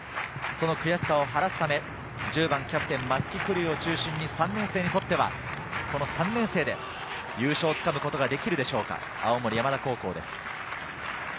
その悔しさを晴らすため、１０番キャプテン・松木玖生を中心に３年生で優勝をつかむことができるでしょうか、青森山田高校です。